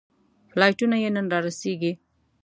فلایټونه یې نن رارسېږي.